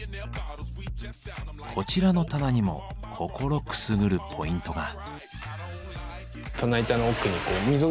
こちらの棚にも心くすぐるポイントが。